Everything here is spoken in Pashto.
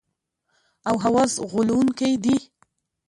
او حواس غولونکي دي.